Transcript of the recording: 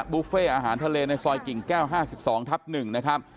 บุฟเฟ่อาหารทะเลในซอยกิ่งแก้วห้าสิบสองทับหนึ่งนะครับ